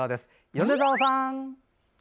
米澤さん。